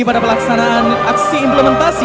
pada pelaksanaan aksi implementasi